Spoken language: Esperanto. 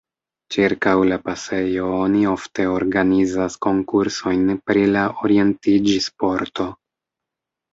Ĉirkaŭ la pasejo oni ofte organizas konkursojn pri la orientiĝ-sporto.